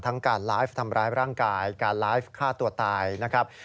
การไลฟ์ทำร้ายร่างกายการไลฟ์ฆ่าตัวตายนะครับ